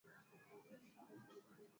weka pembeni kitunguu na nyanya